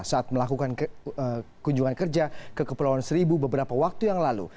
saat melakukan kunjungan kerja ke kepulauan seribu beberapa waktu yang lalu